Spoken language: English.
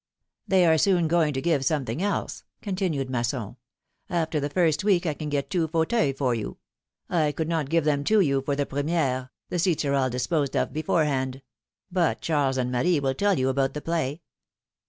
They are soon going to give something else/^ continued Masson ; after the first week I can get two fauteuils for you. I could not give them to you for the premiere^ the seats are all disposed of beforehand; but Charles and Mario will tell you about the play.